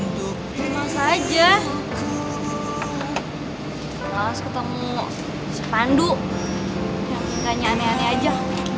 pintanya aneh aneh aja